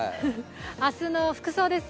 明日の服装です。